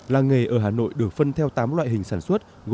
làng nghề ở hà nội được phân theo tám loại hình sản xuất